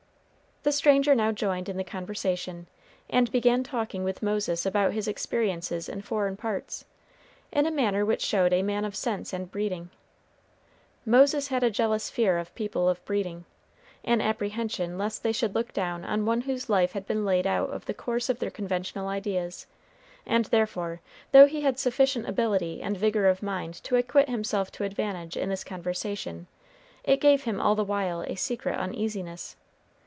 The stranger now joined in the conversation, and began talking with Moses about his experiences in foreign parts, in a manner which showed a man of sense and breeding. Moses had a jealous fear of people of breeding, an apprehension lest they should look down on one whose life had been laid out of the course of their conventional ideas; and therefore, though he had sufficient ability and vigor of mind to acquit himself to advantage in this conversation, it gave him all the while a secret uneasiness.